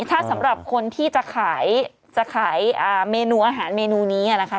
ถ้าสำหรับคนที่จะขายจะขายเมนูอาหารเมนูนี้นะคะ